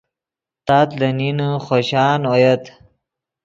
تات لے نین خوشان اویت